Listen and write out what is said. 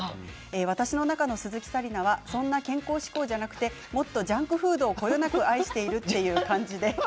私の中の鈴木紗理奈はそんな健康志向じゃなくジャンクフードをこよなく愛しているという感じです。